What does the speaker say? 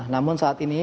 namun saat ini